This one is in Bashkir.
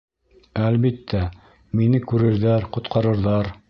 Әлбиттә, мине күрерҙәр, ҡотҡарырҙар!